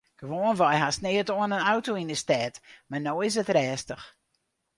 Gewoanwei hast neat oan in auto yn 'e stêd mar no is it rêstich.